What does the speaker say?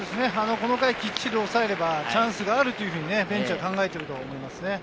この回をきっちり抑えればチャンスがあるというふうにベンチが考えていると思いますね。